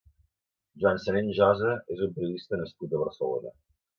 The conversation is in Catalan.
Joan Senent-Josa és un periodista nascut a Barcelona.